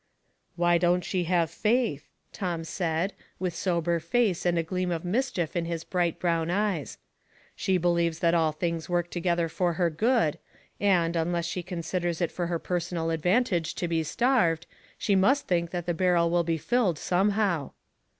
" Why don't she have faith ?" Tom said, with sober face and a gleam of mischief in his bright brown eyes ;" she believes that all things work together for her good, and, unless she considers it for her personal advantage to be starved, she must think that the barrel will be filled some how."